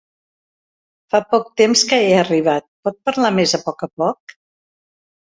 Fa poc temps que he arribat, pot parlar més a poc a poc?